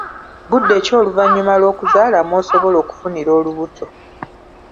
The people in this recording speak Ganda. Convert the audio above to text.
Budde ki oluvannyuma lw'okuzaala mw'osobola okufunira olubuto?